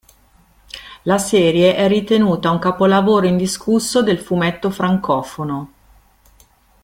La serie è ritenuta un capolavoro indiscusso del fumetto francofono.